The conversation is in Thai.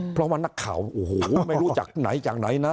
เพราะว่านักข่าวโอ้โหไม่รู้จักไหนจากไหนนะ